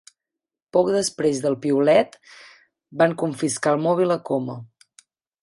Poc després del piulet van confiscar el mòbil a Coma